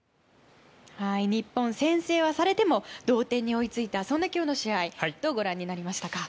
日本、先制はされても同点に追いついた今日の試合どうご覧になりましたか？